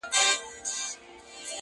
انساني کرامت تر سوال للاندي دی-